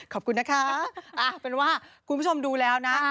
ขอบคุณนะคะเป็นว่าคุณผู้ชมดูแล้วนะ